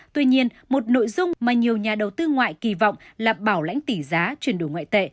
tuy nhiên một nội dung mà nhiều nhà đầu tư ngoại kỳ vọng là bảo lãnh tỷ giá chuyển đổi ngoại tệ